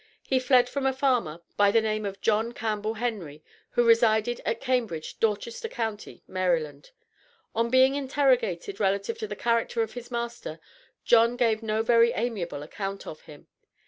He fled from a farmer, by the name of John Campbell Henry, who resided at Cambridge, Dorchester Co., Maryland. On being interrogated relative to the character of his master, John gave no very amiable account of him.